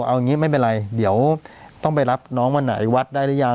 เอาอย่างนี้ไม่เป็นไรเดี๋ยวต้องไปรับน้องวันไหนวัดได้หรือยัง